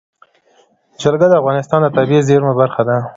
جلګه د افغانستان د طبیعي زیرمو برخه ده.